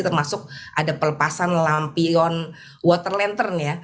termasuk ada pelepasan lampion water lantern ya